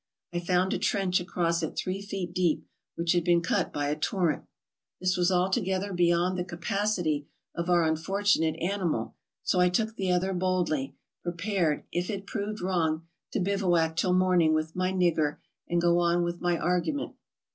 I found a trench across it three feet deep, which had been cut by a torrent. This was altogether beyond the capacity of our unfortunate animal, so I took the other boldly, prepared, if it proved wrong, to bivouac till morning with my '' nigger, '' and go on with my argument.